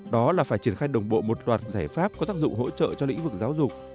đó là phải triển khai đồng bộ một loạt giải pháp có tác dụng hỗ trợ cho lĩnh vực giáo dục